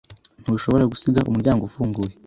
Ntushobora gusiga umuryango ufunguye?